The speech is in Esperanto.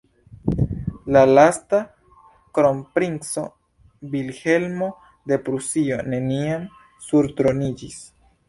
La lasta kronprinco, Vilhelmo de Prusio, neniam surtroniĝis.